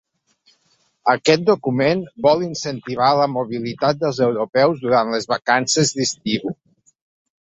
Aquest document vol incentivar la mobilitat dels europeus durant les vacances d’estiu.